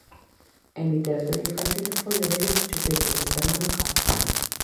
En literatura infantil foi "O vello dos chupetes", de Fernando Calvo.